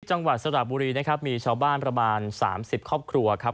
จังหวัดสระบุรีนะครับมีชาวบ้านประมาณ๓๐ครอบครัวครับ